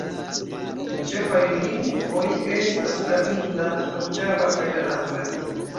Ĉefaj lingvoj estas la hinda, panĝaba kaj angla.